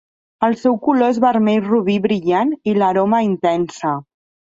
El seu color és vermell robí brillant i l'aroma intensa.